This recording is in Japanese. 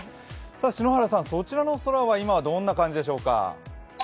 篠原さん、そちらの空は今どんな感じでしょうか。